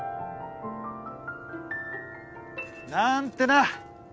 なーんてな。